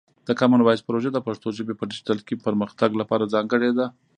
د کامن وایس پروژه د پښتو ژبې په ډیجیټل کې پرمختګ لپاره ځانګړې ده.